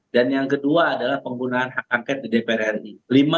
dan yang kedua adalah penggunaan hak angket di dpr ri